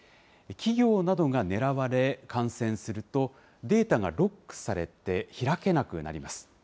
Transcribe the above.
企業などが狙われ感染すると、データがロックされて、開けなくなります。